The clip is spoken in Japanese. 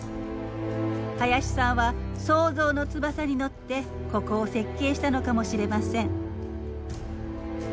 林さんは想像の翼に乗ってここを設計したのかもしれません。